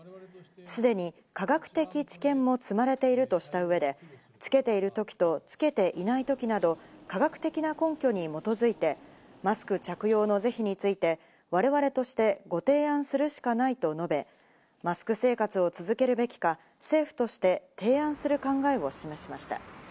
すでに科学的治験も積まれているとした上で、つけている時とつけていない時など科学的な根拠に基づいて、マスク着用の是非について我々としてご提案するしかないと述べ、マスク生活を続けるべきか、政府として提案する考えを示しました。